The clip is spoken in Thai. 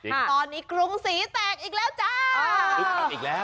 ตอนนี้กรุงศรีแตกอีกแล้วจ้า